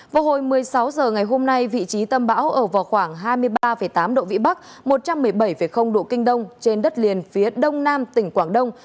vào hồi một mươi sáu h ngày hôm nay vị trí tâm bão ở vào khoảng hai mươi ba tám độ vĩ bắc một trăm một mươi bảy độ kinh đông trên đất liền phía đông nam tỉnh quảng đông